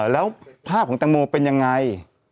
แล้วภาพของแตงโมเป็นยังไง